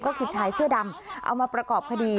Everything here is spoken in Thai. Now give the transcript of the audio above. ก็คือชายเสื้อดำเอามาประกอบคดี